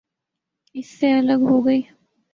اس سے الگ ہو گئی۔